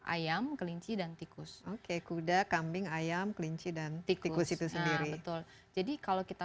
ayam kelinci dan tikus oke kuda kambing ayam kelinci dan tik tikus itu sendiri jadi kalau kita